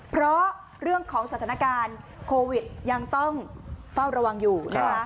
เพราะเรื่องของสถานการณ์โควิดยังต้องเฝ้าระวังอยู่นะคะ